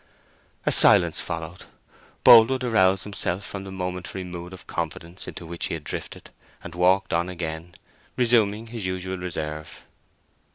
A silence followed. Boldwood aroused himself from the momentary mood of confidence into which he had drifted, and walked on again, resuming his usual reserve.